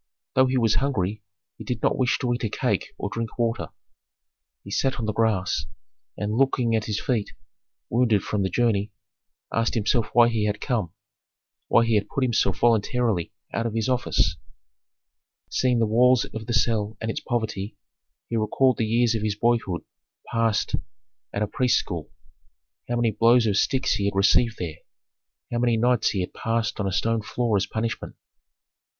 Though he was hungry, he did not wish to eat a cake or drink water. He sat on the grass, and looking at his feet wounded from the journey, asked himself why he had come, why he had put himself voluntarily out of his office. Seeing the walls of the cell and its poverty, he recalled the years of his boyhood passed at a priests' school. How many blows of sticks he had received there, how many nights he had passed on a stone floor as punishment!